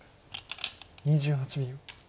２８秒。